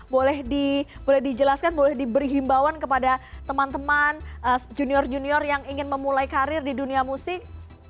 boleh dijelaskan boleh diberi himbauan kepada teman teman junior junior yang ingin memulai karir di dunia musik